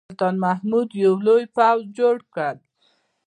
سلطان محمود یو لوی پوځ جوړ کړ.